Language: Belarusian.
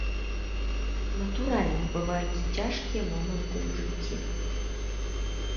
Натуральна, бываюць цяжкія моманты ў жыцці.